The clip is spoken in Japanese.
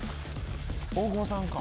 大久保さんか。